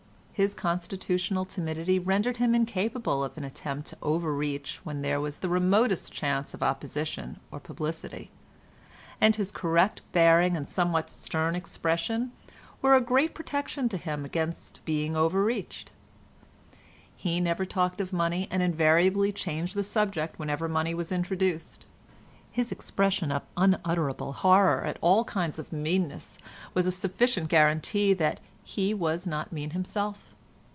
His constitutional timidity rendered him incapable of an attempt to overreach when there was the remotest chance of opposition or publicity, and his correct bearing and somewhat stern expression were a great protection to him against being overreached. He never talked of money, and invariably changed the subject whenever money was introduced. His expression of unutterable horror at all kinds of meanness was a sufficient guarantee that he was not mean himself.